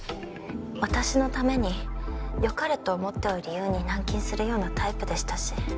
私のためによかれと思ってを理由に軟禁するようなタイプでしたし。